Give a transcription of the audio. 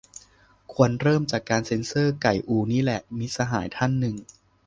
ควรเริ่มจากการเซ็นเซอร์ไก่อูนี่แหละ - มิตรสหายท่านหนึ่ง